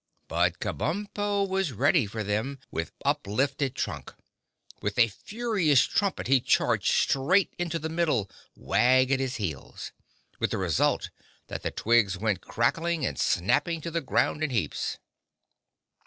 But Kabumpo was ready for them with uplifted trunk. With a furious trumpet he charged straight into the middle, Wag at his heels, with the result that the Twigs went crackling and snapping to the ground in heaps.